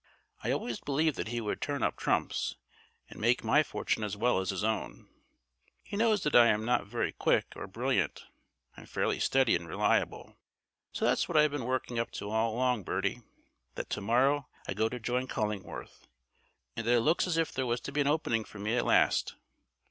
I always believed that he would turn up trumps, and make my fortune as well as his own. He knows that if I am not very quick or brilliant I am fairly steady and reliable. So that's what I've been working up to all along, Bertie, that to morrow I go to join Cullingworth, and that it looks as if there was to be an opening for me at last.